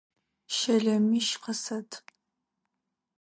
Щэлэмищ къысэт!